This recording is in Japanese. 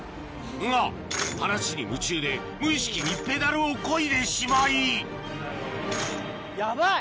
が話に夢中で無意識にペダルをこいでしまいヤバい！